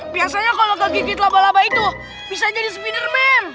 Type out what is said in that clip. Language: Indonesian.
biasanya kalau gagik gigit laba laba itu bisa jadi spiderman